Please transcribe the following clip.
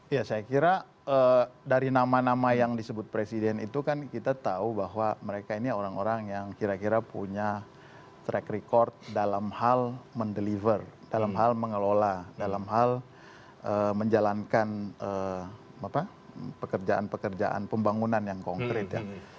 ya saya kira dari nama nama yang disebut presiden itu kan kita tahu bahwa mereka ini orang orang yang kira kira punya track record dalam hal mendeliver dalam hal mengelola dalam hal menjalankan pekerjaan pekerjaan pembangunan yang konkret ya